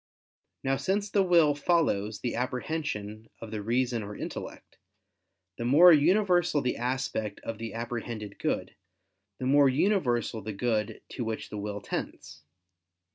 Now since the will follows the apprehension of the reason or intellect; the more universal the aspect of the apprehended good, the more universal the good to which the will tends.